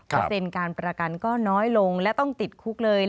เปอร์เซ็นต์การประกันก็น้อยลงและต้องติดคุกเลย